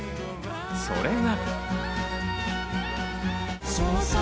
それが。